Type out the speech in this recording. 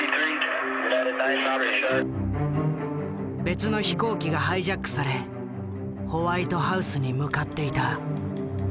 別の飛行機がハイジャックされホワイトハウスに向かっていた。